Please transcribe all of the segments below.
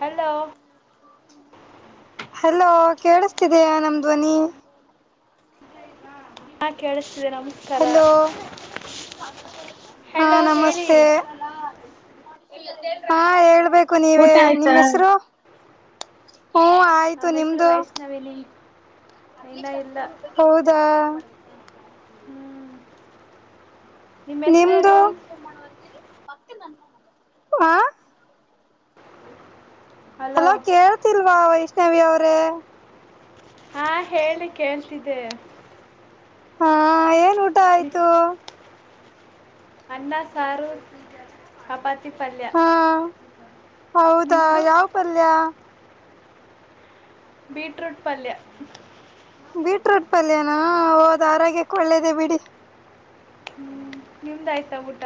Hello hello ಕೇಳಿಸ್ತಿದಿಯ ನಮ್ ಧ್ವನಿ. ಹಾ ಕೇಳಸ್ ಹಲೋ ಹಾ ಹಲೋ ಹೇಳಿ ನಮಸ್ತೆ. ಹಾ ಹೇಳ್ಬೇ ಕು ನೀವೆ ನಿಮ್ ಹೆಸರು ಹ್ಮ ಆಯ್ತು ನಮ್ಮೇಸರು ನಿಮ್ದು ವೈಷ್ಣವಿ ನಿಮ್ ಇನ್ನ ಇಲ್ಲ ಹೌದಾ ಹ್ಮ್ ನಿಮ್ಮ ನಿಮ್ದು? ಹೆಸರೇನು ಆ ಹಲೋ ಕೇಳ್ತಿಲ್ವಾ ವೈ ಷ್ಣವಿ ಅವ್ರೆ [inaudible] ಹಾ ಹೇಳಿ ಕೇಳ್ ತಿದೆ ಹಾ ಆಯ್ ನೂಟ ಆಯ್ತು. ಅನ್ನ ಸಾರು ಚಪಾತ್ ಹಾ ಹೌದಾ ನಿಮ್ಮದು ಯಾವ್ ಪಲ್ಯ? ಬೀಟ್ರೂಟ್ ಪಲ್ಯ ಬೀಟ್ರೂಟ್ ಪಲ್ಯನಾ ಹೌದ್ ಆರೋಗ್ಯಕ್ಕೆ ಒಳ್ಳೇದೆ ಬಿಡಿ. ಹ್ಮ್ ನಿಮ್ದಾಯ್ತಾ ಊಟ?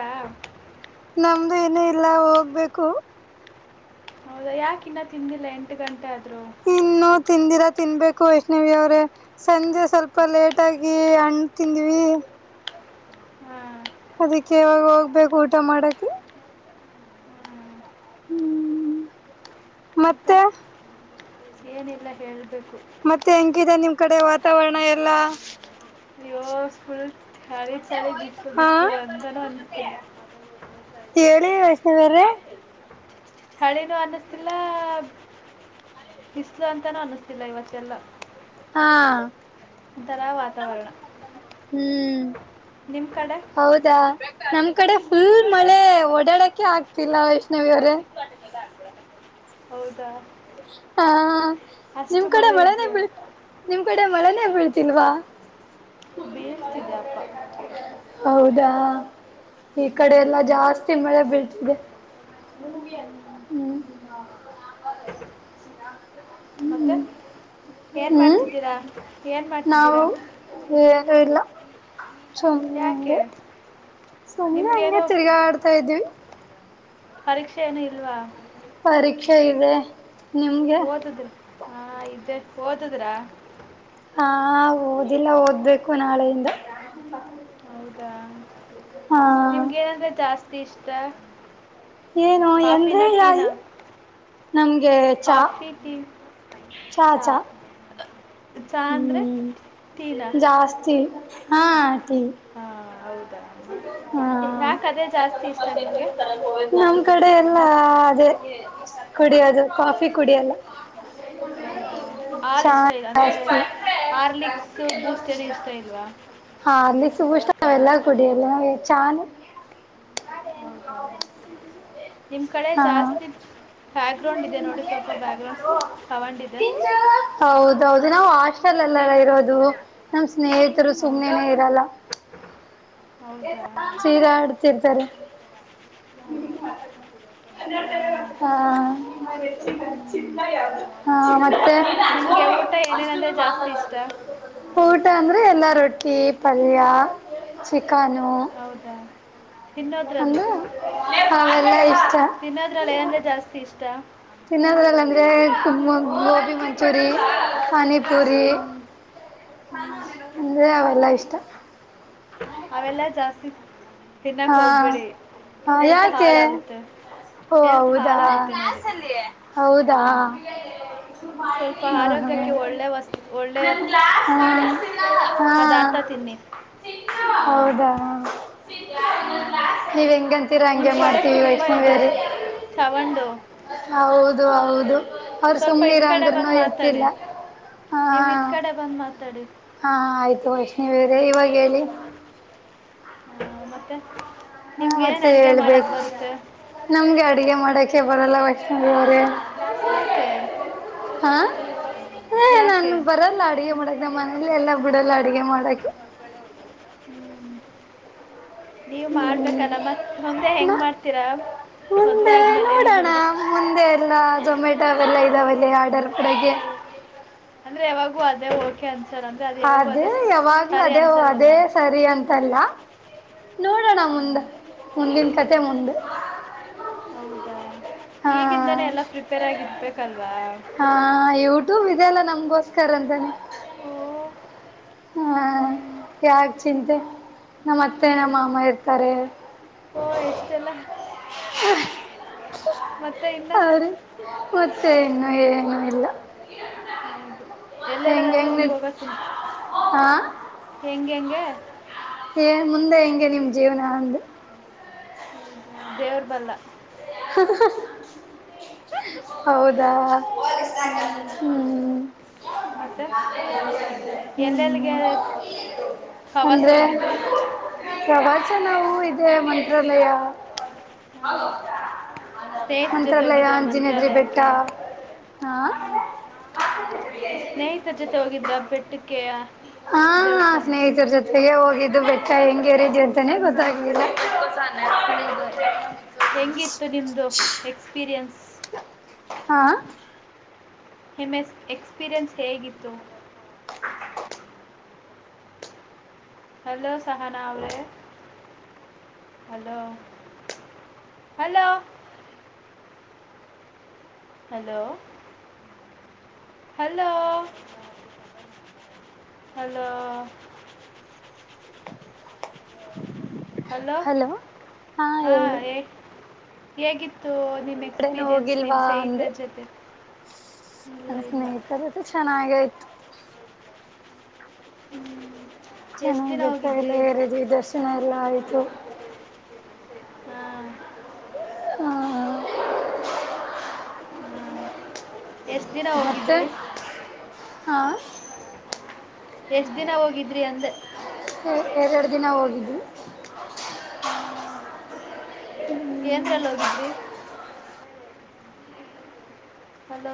ನಮ್ದು ಇನ್ನು ಇಲ್ಲ ಹೋಗ್ಬೇಕು. ಹೌದಾ ಯಾಕಿನ್ನ ತಿಂದಿಲ್ಲ ಎಂಟು ಗಂಟೆ ಆದ್ರು ಇನ್ನು ತಿಂದಿಲ ತಿನ್ನಬೇಕು ವೈಷ್ಣವಿ ಅವ್ರೇ ಸಂಜೆ ಸ್ವಲ್ಪ ಲೇಟಾಗಿ ಹಣ್ಣು ತಿಂದ್ವಿ. ಹಾಂ ಅದಿಕ್ಕೆ ಇವಾಗ ಹೋಗ್ಬೇಕು ಊಟ ಮಾಡಕ್ಕೆ ಹ್ಮ್ ಮತ್ತೆ ಏನಿಲ್ಲ ಹೇಳ್ ಮತ್ತೆ ಹೆಂಗಿದೆ ನಿಮ್ ಕಡೆ ವಾತಾವರಣ ಎಲ್ಲ [unintelligible] ಚಳಿ ಚಳಿ ಬಿಸ್ಲು ಹಾ ಬಿಸ್ಲು ಅಂತಾನೂ ಅನ್ಸ್ತಿಲ್ಲ [inaudible] ಹೇಳಿ ವೈಷ್ಣವ್ರೆ ಅಳೇನು ಅನ್ಸ್ತಿಲ್ಲಾ ಬಿಸ್ಲು ಅಂತನು ಅನ್ಸ್ತಿಲ್ಲ ಇವತ್ತೆಲ್ಲ ಹಾ [inaudible] ಒಂಥರ ವಾತಾವರಣ ಹ್ಮ್ ನಿಮ್ಮ ಹ್ಮ ಕಡೆ ಹೌದಾ ನಮ್ ಕಡೆ ಫುಲ್ ಮಳೆ ಓಡಾಡಕ್ಕೆೆ ಆಗ್ತಿಲ್ಲ ವೈಷ್ಣವಿ ಅವ್ರೇ ಹೌದಾ ಹಾ ನಿಮ್ ಅಷ್ಟು ಕಡೆ ಮಳೆ ಮಳೆನೇ ಇದೆಯಾ ಬೀಳ್ ನಿಮ್ ಕಡೆ ಮಳೆನೇ ಬೀಳ್ತ ತಿಲ್ವಾ ಬೀಳ್ತಿದೆ ಅಪ್ಪ [unintelligible] ಹೌದಾ ಈ ಕಡೆ ಎಲ್ಲಾ ಜಾಸ್ತಿ ಮಳೆ ಬಿಳ್ತಿದೆ [unintelligible] ಹ್ಮ್ [unintelligible] ಮತ್ತೆ ಏನ್ ಹ್ಮ್ ಮಾಡ್ತಿದ್ದೀರಾ, ಏನ್ ಮಾಡ್ತಿದ್ದೀರಾ? ನಾವು ಏನು ಇಲ್ಲ ಸುಮ್ನೆ ಯಾಕೆ ಹಂಗೆ ಸುಮ್ಮ್ನೆ ಹಂಗೆ ನಿಮ್ಗೇನು ತಿರ್ಗಾಡ್ತಾ ಇದೀವಿ ಪರೀಕ್ಷೆ ಏನು ಇಲ್ವಾ ಪರೀಕ್ಷೆ ಇದೆ ನಿಮ್ಗೆ ಓದಿದ್ ಹಾ ಇದ್ದೇ ಓದುದ್ರಾ? ಹಾಂ ಓದಿಲ್ಲ ಓದ್ಬೇಕು ನಾಳೆಯಿಂದ ಹೌದಾ ಹಾ ನಿಮ್ಗ್ ಏನಂದ್ರೆ ಜಾಸ್ತಿ ಇಸ್ ಷ್ಟ ಏನು ಅಂದ್ರೆ ಯಾ ಇ ನಮ್ಗೆ ಚಾ ಚಾ ಚಾ ಅಂದ್ರೆ ಹ್ಮ್ ಟೀ ನ? ಟಿ ಹಾ ಯಾಕೆ ಅದೇ ಜಾಸ್ತಿ ಇಷ್ಟ ನಿಮಗೆ ನಮ್ಮ್ ಕಡೆ ಎಲ್ಲಾ ಕಾಫಿ ಅದೇ ಕುಡಿಯೋದು ಕಾಫಿ ಕುಡಿಯಲ್ಲ. ಹೌದಾ ಹಾಲ್ ಚಾ ಇಷ್ಟ ಇಲ್ಲ ಅಂದರೆ ಜಾಸ್ತಿ ಆರ್ಲಿಕ್ಸ್ ಬೂಸ್ಟ್ ಏನು ಇಷ್ಟ ಇಲ್ವಾ? [unintelligible] ಕುಡಿಯಲ್ಲ ಏ ಚಾ ನು ನಿಮ್ ಕಡೆ ಜಾಸ್ತಿ ಬ್ಯಾಕ್ಗ್ರೌಂಡ್ ಇದೆ ನೋಡಿ ಸ್ವಲ್ಪ ಬ್ಯಾಕ್ಗ್ರೌಂಡ್ ತಗೊಂಡಿದೆ. ಹೌದು ನಾವು ಹಾಸ್ಟೆಲಲ್ಲೆಲ್ಲ ಇರೋದು ನಮ್ಸ್ ಸ್ನೇಹಿತರು ಹೌ ಸುಮ್ನೆನೆ ಇರಲ್ಲ. ಹೌದಾ ಚೀರಾಡ್ತಿರ್ತಾರೆ ಹಾಂ ಹಾ ಹ್ಞೂ ಹಾ ಮತ್ತೆ ನಿಮಗೆ ಊಟ ಏನೇನಂದರೆ ಜಾಸ್ತಿ ಇಷ್ಟ ಊಟ ಅಂದ್ರೆ ಎಲ್ಲಾ ರೊಟ್ಟಿ ಪಲ್ಯ ಚಿಕನು ಹೌದಾ ತಿನ್ನೋದ್ರಲ್ಲಿ ಅಂದ್ರೆ ಅವೆಲ್ಲ ಇಷ್ಟ ತಿನ್ನೋದ್ರಲ್ಲಿ ಏನು ಅಂದ್ರೆ ಜಾಸ್ತಿ ಇಷ್ಟ. ತಿನ್ನದ್ರಲ್ ಅಂದ್ರೆ ತುಂಬ ಗೋಬಿ ಮಂಚೂರಿ ಪಾನಿ ಪುರಿ ಅಂದ್ರೆ ಅವೆಲ್ಲಾ ಇಷ್ಟ. ಅವೆಲ್ಲಾ ಜಾಸ್ತಿ ತಿನ್ನಕ್ಕೆ ಹಾ ಹೋಗ್ಬೇಡಿ ಹ ಹೆಲ್ತ್ ಯಾಕೆ ಹಾಳಾಗುತ್ತೆ ಓ ಹೆಲ್ತ್ ಹೌದಾ ಹಾಳಾಗುತ್ತೆ ನೋಡಿ [unintelligible] ಹೌದಾ ಹ್ಮ ಸ್ವಲ್ಪ ಆರೋಗ್ಯಕ್ಕೆ ಹ ಒಳ್ಳೆ ವಸ್ ಒಳ್ಳೆಯ ಹ ಪದಾರ್ಥ ತಿನ್ನಿ ಹಾ ಹೌದಾ ನೀವ್ ಹೆಂಗಂತೀರ ನಿಮ್ಮ ಹಂಗೆ ಕಡೆ ಮಾಡ್ತೀವಿ ತುಂಬ ವೈಷ್ಣವಿ ಇದೆ ಅವ್ರೆ ತಗೊಂಡು ಹೌದು ಹೌದು. ಅವ್ರ ಸ್ವಲ್ಪ ಇದು ಸುಮ್ನೆರು ಕಡೆ ಅಂದ್ರುನು ಬಂದು ಮಾತಾಡಿ ಇರ್ತಿಲ್ಲ ಹ. ತಾಡಿ ಹಾ ಆಯ್ತು ವೈಷ್ಣವಿ ಅವ್ರೆ ಇವಾಗ್ ಹೇಳಿ. ಹ್ಮ ಮತ್ತೆ ಹಾ ನಿಮ್ಗೇನು ಮತ್ತೆ ಅಡುಗೆ ಹೇಳ್ಬೇ ಮಾಡೋಕ್ಕೆ ಬರುತ್ತೆ ನಮ್ಗೆ ಅಡಗೆ ಮಾಡಕ್ಕೆ ಬರಲ್ಲ ವೈ ಷ್ಣವಿ ಅವರೆ ಯಾಕೆ ಹಾ ಯಾಕೆ ನನ್ಗೆ ಬರಲ್ಲ ಅಡಗೆ ಮಾಡಕ್ ನಮ್ಮ ಮನೇಲಿ ಎಲ್ಲ ಬಿಡಲ್ಲ ಅಡಗೆ ಮಾಡಕ್ಕೆ ಹ್ಮ್. ನೀವು ಮಾಡ್ಬೇಕಲ್ಲ ಮತ್ ಮುಂದೆ ಹೆಂಗ್ ಮಾಡ್ತೀರಾ ಮದುವೆ ಆದ್ಮೇಲೆ ನಿಮ್ಮ ಹುಡುಗ ನ್ನ ಜೋಮಾಟೋ ಅವೆಲ್ಲ ಇದಾವೆ. ಅಂದ್ರೆ ಯಾವಾಗೂ ಅ ದೆ ಓಕೆ ಆನ್ ಅದೇ ಯಾವಾಗ್ಲೂ ಅದೇ ಅನ್ಸಲ್ವಲ್ಲ ಅದೇ ಸರಿ ಅಂತಲ್ಲ ನೋಡಣ ಮುಂದ ಹ್ಮ್. ಮುಂದಿನ್ ಕತೆ ಮುಂದೆ ಹೌದಾ ಹಾ ಈಗಿಂದಾನೇ ಎಲ್ಲ ಪ್ರಿಪೇರ್ ಆಗಿರ್ಬೇಕಲ್ವಾ ಹಾ ಯೂಟ್ಯೂಬ್ ಇದೆಲ್ಲ ನಮ್ಗೋಸ್ಕರ ಅಂತಾನೆ ಓ ಹಾ ಹ್ಮ್, ಯಾಕ್ ಚಿಂತೆ ನಮ್ಮತ್ತೆ ನಮ್ಮ ಹೌದು ಮಾಮ ಇರ್ತಾರೆ ಓ ಎಷ್ಟೆಲ್ಲ ಮತ್ತೆ ಇನ್ನ ಅವ್ರು ಮತ್ತೆ ಇನ್ನು ಏನು ಇಲ್ಲ ಹೌದು ಎಲ್ಲೆಲ್ ಗಂದ್ರೆ ನಿಮ್ಗೆ ಹೋಗತ್ ಆಹ್ ಗೆಂಗೆ ಏ ಮುಂದೆ ಹೆಂಗೆ ನಿಮ್ ಜೀವ್ನ ಅಂದೆ ಹೌದಾ ದೇವ್ರ್ ಬಲ್ಲ ಹೌದಾ ಹ್ಮ್ ಮತ್ತೆ ಹ್ಮ್ ಎಲ್ಲೆಲ್ಲಿಗೆ [inaudible] ಹವಾಸ ಅಂದ್ರೆ ಹೋಗಿದ್ರಿ ಪ್ರವಾ ನಾವು ಇದೆ ಮಂತ್ರಾಲಯ ಹಾ ಸ್ನೇಹಿತ್ರ್ ಜೊತೆ ಮಂತ್ರಾಲಯ ಹೋಗಿದ್ರ ಆಂಜನೇದ್ರಿ ಬೆಟ್ಟ ಮಂತ್ರಾಲಯಕ್ಕೆ, ಹಾ ಹ್ಮ್ ಸ್ನೇಹಿತ್ರ್ ಜೊತೆ ಹೋಗಿದ್ರ ಬೆಟ್ಟಕ್ಕೆ ಹಾ ದೇವಸ್ಥಾನಕ್ಕೆ ಸ್ನೇಹಿತರ್ ಜೊತೆಗೆ ಹೋಗಿದ್ದು ಬೆಟ್ಟ ಹೆಂಗೆ ಇದೆ ಅಂತಾನೇ ಗೊತ್ತಾಗ್ಲಿಲ್ಲ [inaudible] ಹೌದ ಹೆಂಗಿತ್ತು ನಿಮ್ದು ಎಕ್ಸ್ಪೀರಿಯನ್ಸ್? ಆಹ್ ಇಮೆಸ್ ಎಕ್ಸ್ಪೀರಿಯೆನ್ಸ್ ಹೇಗಿತ್ತು ಹಲೋ ಸಹನಾ ಅವ್ರೇ, hello hello hello hello hello hello ಹಾ ಹೇಳಿ ಏಗ್ ಟ್ರೈನ್ ಹೋಗಿಲ್ವಾ ಅಂದೆ, ಜೊತೆ ಇಲ್ಲ ನನ್ ಇಲ್ಲ ಸ್ನೇಹಿತರದು ಚೆನ್ನಗೆಯ್ತು ಹ್ಮ್ ಚೆನ್ನಾಗಿ ಬೆಟ್ಟಾಗಲ್ಲ ಹೇರಿದ್ವಿ ದರ್ಶನ ಎಲ್ಲ ಆಯ್ತು ಹಾ ಹಾ ಎಷ್ಟ್ ದಿನ ಮತ್ತೆ ಹೋಗಿದ್ರಿ? ಹಾ ಎಷ್ಟ್ ದಿನ ಹೋಗಿದ್ರಿ ಅಂದೆ ಎರ್ ಎರಡ್ ದಿನ ಹೋಗಿದ್ವಿ ಏಂದ್ರಲ್ ಹೋಗಿದ್ರಿ? Hello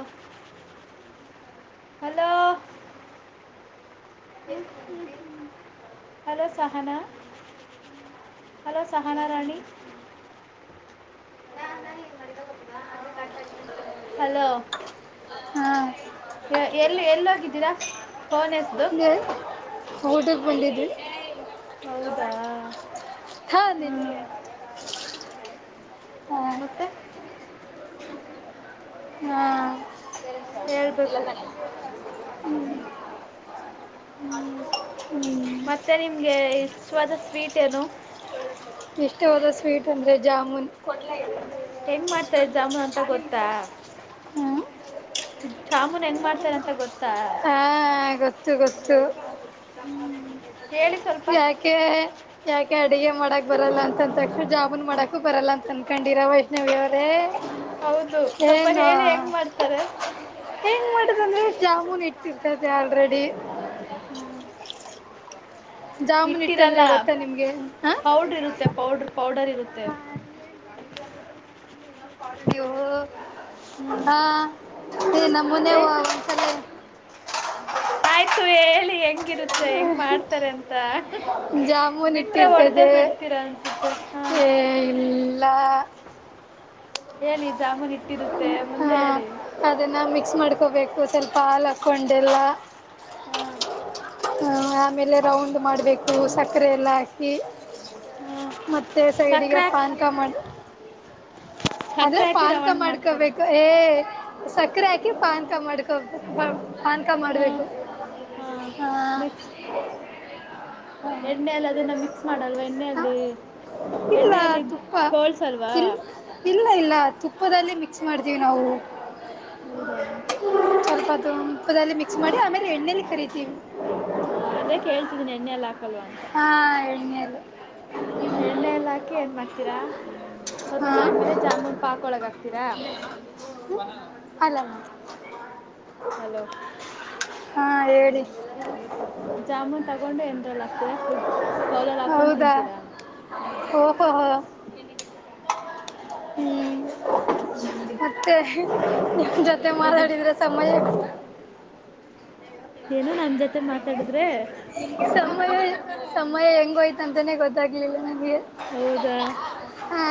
hello hello Sahana hello Sahana Rani hello ಹಾ ಎಲ್ಲಿ ಎಲ್ಲೋಗಿದ್ದೀರಾ? ಫೋನ್ ಎಸ್ದು ಊಟಕ್ ಬಂದಿದ್ವಿ. ಹೌದಾ ಹಾ ನಿನ್ ಹಾಂ ಹಾ ಮತ್ತೆ ಹ್ಮ ಹೇಳ್ಬೇಕು ಹ್ಮ್. ಹ್ಮ್ ಮತ್ತೆ ನಿಮಗೆ ಇಷ್ಟವಾದ ಸ್ವೀಟ್ ಏನು? ಇಷ್ಟವಾದ ಸ್ವೀಟ್ ಅಂದ್ರೆ ಜಾಮೂನ್ ಹೆಂಗ್ ಮಾಡ್ತಾರೆ ಜಾಮೂನ್ ಅಂತ ಗೊತ್ತಾ ಹ್ಮ್ ಜಾಮೂನ್ ಹೆಂಗ್ ಮಾಡ್ತಾರ್ ಅಂತ ಗೊತ್ತಾ? ತ್ತು ಗೊತ್ತು ಹೇಳಿ ಸ್ವಲ್ಪ ಯಾಕೆ ಯಾಕೆ ಅಡಿಗೆ ಮಾಡಕ್ ಬರಲ್ಲ ಅಂತಂದ ತಕ್ಷಣ ಜಾಮುನ್ ಮಾಡಕೂ ಬರಲ್ಲ ಅಂತ ಅನ್ಕೊಂಡಿರ ವೈಷ್ಣವಿ ಅವ್ರೆ ಹೌದು ಸ್ವಲ್ಪ ಹೇಳಿ ಹೆಂಗ್ ಮಾಡ್ತಾರೆ ಏನಂದ್ರೆ ಜಾಮೂನ್ ಇಟ್ಟಿರ್ತದೆ ಆಲ್ರೆಡಿ. ಜಾಮೂನ್ ಇಟ್ಟಿರಲ್ಲ ಇಟ್ಟಂದ್ರೆ ಗೊತ್ತಾ ನಿಮ್ಗೆ ಹ ಪೌಡ್ರ್ ಇರುತ್ತೆ ಪೌಡ್ರು ಪೌಡರ್ ಇರುತ್ತೆ. ಹಾ ಏನ್ರೀ ತ್ತೆ ನೀವು ಹ್ಮ್ ಹ ಏ ನಮ್ ಮುನೆ ಏ ಒ ಒಂದ್ಸಲ ಆಯ್ತು ಹೇಳಿ ಹೆಂಗಿರು ತ್ತೆ ಹೆಂಗ್ ಮಾಡ್ತಾರೆ ಅಂತ. ಜಾಮೂನ್ ಬಿಟ್ರೆ ಒಡೆದೇ ಹಿಟ್ಟಿರ್ತದೆ ಬಿಡ್ತೀರ ಅನ್ಸುತ್ತೆ ಹಾ ಎ ಇಲ್ಲ ಅ ಹೇಳಿ ಜಾಮೂನ್ ಹಿಟ್ಟಿರುತ್ತೆ ಹಾ ಮುಂದೆ ಹೇಳಿ. ಅದನ್ನ ಮಿಕ್ಸ್ ಮಾಡ್ಕೋಬೇಕು ಸ್ವಲ್ಪ ಹಾಲು ಹಾಕ್ಕೊಂಡೆಲ್ಲ ಹ ಹ ಆಮೇಲೆ ರೌಂಡ್ ಮಾಡ್ಬೇಕು ಸಕ್ಕರೆ ಎಲ್ಲ ಹಾಕಿ ಹಾ ಮತ್ತೆ ಸೈಡಿಗೆ ಸಕ್ಕರೆ ಹಾಕಿ ಪಾನ್ಕ ಮಾಡ ಅಂದ್ರೆ ಸಕ್ಕರೆ ಹಾಕಿ ಪಾನ್ಕ ರವಾಂಡ್ ಮಾಡ್ತಾರೆ ಮಾಡ್ಕೋಬೇಕು ಏ ಸಕ್ಕರೆ ಹಾಕಿ ಪಾನ್ಕ ಮಾಡ್ಕೋ ಹಾ ಪಾನ್ಕಾ ಮಾಡ್ಬೇಕು ನೆಕ್ಸ್ ಎಣ್ಣೆಯಲ್ಲಿ ಅದನ್ನ ಮಿಕ್ಸ್ ಮಾಡಲ್ವ ಎಣ್ಣೆಯಲ್ಲಿ ಇಲ್ಲ ಎಣ್ಣೆಯಲ್ಲಿ ತುಪ್ಪ ತೋಳ್ಸಲ್ವಾ? ಇಲ್ಲ ಇಲ್ಲ ಇಲ್ಲ ತುಪ್ಪದಲ್ಲಿ ಮಿಕ್ಸ್ ಮಾಡ್ತೀವ್ ನಾವು. ಹೌದಾ ಸ್ವಲ್ಪ ಅದು ತುಪ್ಪದಲ್ಲಿ ಮಿಕ್ಸ್ ಮಾಡಿ ಆಮೇಲೆ ಎಣ್ಣಲಿ ಕರಿತೀವಿ. ಹಾ ಅದೇ ಕೇಳ್ತಿದೀನಿ ಎಣ್ಣೆಲ್ಲ ವಂತಾ ಹಾ ಎಣ್ಣೆಯಲ್ಲಿ ಎಣ್ಣಲ್ ಹಾಕಿ ಏನ್ ಮಾಡ್ತೀರಾ ಹಾ ಸ್ವಲ್ಪೊತಾದ್ಮೇಲೆ ಜಾಮೂನ್ ಪಾಕೊಳಗ್ ಹಾಕ್ತೀರಾ ಅಲ್ಲಲ್ಲ ಹಲೋ ಹಾ ಹೇಳಿ ಜಾಮೂನ್ ತಗೊಂಡೆ ಅಂದ್ರಲ. [unintelligible] ಲಲ್ ಹಾಕೊಂಡ್ ಹೌದಾ ತಿಂತೀರಾ. ಓಹೋ ಹ್ಮ್ ಹ್ಞೂ, ಮತ್ತೆ ನಿಮ್ ಜೊತೆ ಮಾತಾಡಿದ್ರೆ ಸಮಯ ಏನು ನಮ್ ಜೊತೆ ಮಾ ಸಮಯ ಸಮಯ ಹೆಂಗೋಯ್ ತಂತಾನೆ ಗೊತ್ತಾಗ್ಲಿಲ್ಲ ನನಗೆ. ಹೌದಾ ಹಾ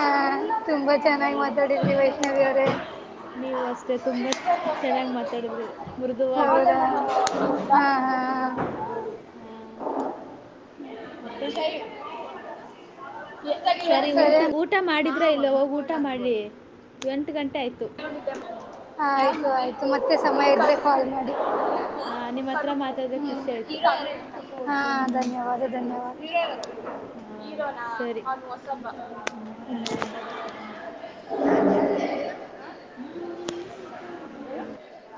ತುಂಬಾ ಆ, ಚೆನ್ನಾಗಿ ಮಾತಾಡಿದ್ರಿ ವೈಷ್ಣವಿ ಅವ್ ದೆ ನೀವು ಅಷ್ಟೇ ತುಂಬಾ ಚೆನ್ನಾಗ್ ಮಾತಾಡಿದ್ರಿ ಮೃದುವಾಗಿ ಹೌದಾ ಹಾ ಹಾ ಆ, ಆ, ಮತ್ತೆ [unintelligible] ಸರಿ ಊಟು ಊಟ ಮಾಡಿದ್ ದ್ರ ಇಲ್ಲ ಹೋಗ್ ಊಟ ಮಾಡ್ರಿ ಎಂಟ್ ಗನ್ ಹ ಆಯ್ತು ಆಯ್ತು ಮತ್ತೆಸ್ ಸಮಯ ಇದ್ರೆ ಕಾಲ್ ಮಾಡಿ. ಹಾ ನಿಮ್ಮ ಹತ್ರ ಮಾತಾಡಿದ್ರೆ ಹ್ಮ್ ಖುಷಿ ಆಯ್ತು ಹಾ ಹ್ಮ್ ಧನ್ಯವಾದ ಧನ್ಯವಾದ ಹಾ ಸರಿ [unintelligible] [unintelligible]